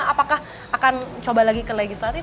apakah akan coba lagi ke legislatif